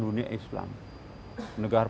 dunia islam negara negara